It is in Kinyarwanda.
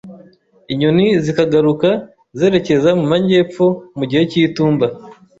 Inyoni zikaguruka zerekeza mumajyepfo mugihe cyitumba.